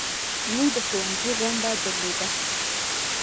موږ د ښوونځي غونډه درلوده.